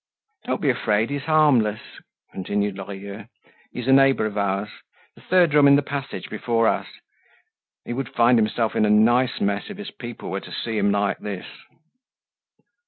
"Don't be afraid, he's harmless," continued Lorilleux. "He's a neighbor of ours—the third room in the passage before us. He would find himself in a nice mess if his people were to see him like this!"